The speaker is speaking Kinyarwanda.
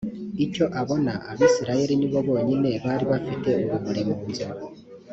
icyo abona abisirayeli ni bo bonyine bari bafite urumuri mu mazu